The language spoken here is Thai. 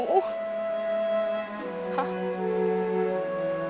ฮะ